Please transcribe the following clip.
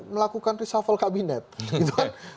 melakukan reshuffle kabinet gitu kan